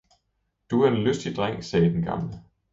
"Du er en lystig dreng!" sagde den gamle.